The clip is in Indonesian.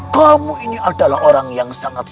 kamu ini adalah orang yang sangat